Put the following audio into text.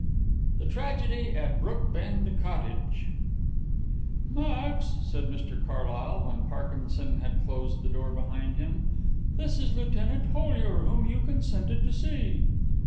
THE TRAGEDY AT BROOKBEND COTTAGE "Max," said Mr Carlyle, when Parkinson had closed the door behind him, "this is Lieutenant Hollyer, whom you consented to see."